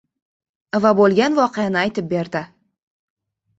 va boʻlgan voqeani aytib berdi.